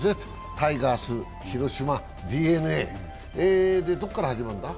タイガース、広島、ＤｅＮＡるどこから始まるんだ？